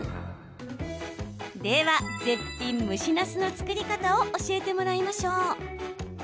では、絶品蒸しなすの作り方を教えてもらいましょう。